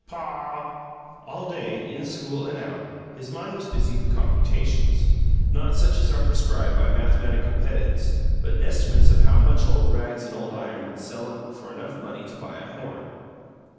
"PAW!" All day, in school and out, his mind was busy with computations not such as are prescribed by mathematical pedants, but estimates of how much old rags and old iron would sell for enough money to buy a horn.